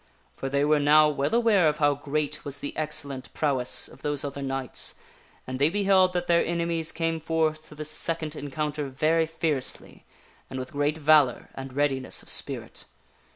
For they were now well aware of how great was the excellent prowess of those other knights, and they beheld that their enemies came forth to this second en counter very fiercely, and with great valor and readiness of spirit.